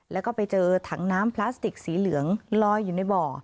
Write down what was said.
แล้วก็ไปเจอถังน้ำพลาสติกสีเหลืองลอยอยู่ในบ่อ